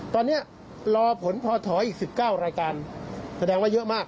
ตอนนี้รอผลพอถอยอีก๑๙รายการแสดงว่าเยอะมาก